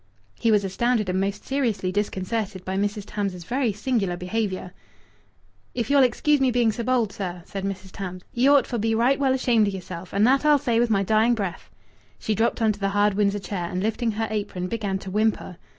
He was astounded and most seriously disconcerted by Mrs. Tams's very singular behaviour. "If ye'll excuse me being so bold, sir," said Mrs. Tams, "ye ought for be right well ashamed o' yeself. And that I'll say with my dying breath." She dropped on to the hard Windsor chair, and, lifting her apron, began to whimper.